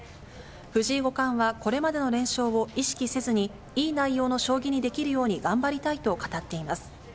藤井五冠は、これまでの連勝を意識せずに、いい内容の将棋にできるように、頑張りたいと語っています。